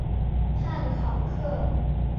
汉考克。